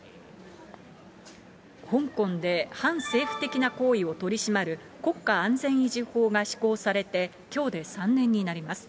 香港で反政府的な行為を取り締まる国家安全維持法が施行されてきょうで３年になります。